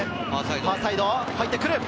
ファーサイド、入ってくる。